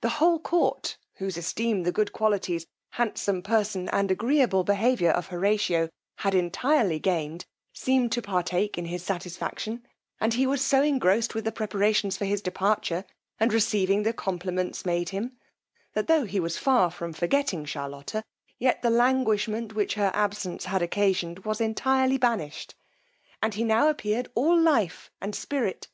The whole court, whose esteem the good qualities, handsome person, and agreeable behaviour of Horatio had entirely gained, seemed to partake in his satisfaction, and he was so engrossed with the preparations for his departure, and receiving the compliments made him, that tho' he was far from forgetting Charlotta, yet the languishment which her absence had occasioned was entirely banished, and he now appeared all life and spirit.